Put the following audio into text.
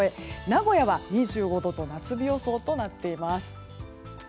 名古屋は２５度と夏日予想となっています。